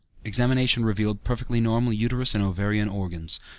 Examination revealed perfectly normal uterus and ovarian organs.